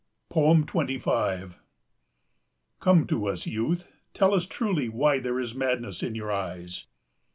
25 "Come to us, youth, tell us truly why there is madness in your eyes?"